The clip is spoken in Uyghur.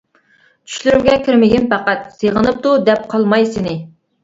چۈشلىرىمگە كىرمىگىن پەقەت، سېغىنىپتۇ دەپ قالماي سىنى.